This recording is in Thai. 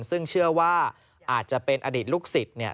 ซึ่งเชื่อว่าอาจจะเป็นอดิตลูกสิทธิ์